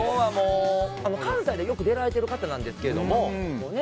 関西でよく出られてる方なんですけどね。